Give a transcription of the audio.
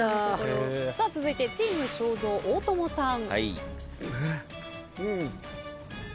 続いてチーム正蔵大友さん。